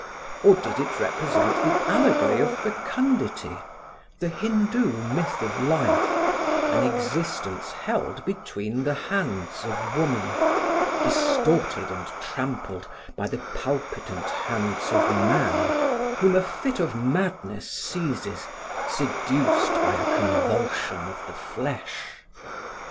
Or did it represent the allegory of fecundity, the Hindoo myth of life, an existence held between the hands of woman, distorted and trampled by the palpitant hands of man whom a fit of madness seizes, seduced by a convulsion of the flesh?